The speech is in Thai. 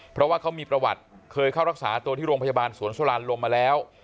เพราะว่าเขามีประวัติเคยเข้ารักษาตัวที่โรงพยาบาลสวนสุรานลมมาแล้ว